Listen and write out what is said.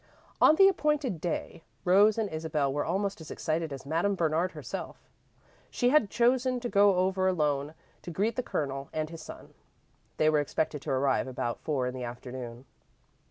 On the appointed day, Rose and Isabel were almost as excited as Madame Bernard herself. She had chosen to go over alone to greet the Colonel and his son. They were expected to arrive about four in the afternoon.